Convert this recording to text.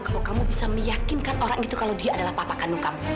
kalau kamu bisa meyakinkan orang itu kalau dia adalah papa kandung kamu